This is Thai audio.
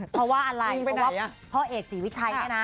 เพราะว่าอะไรเพราะว่าพ่อเอกศรีวิชัยเนี่ยนะ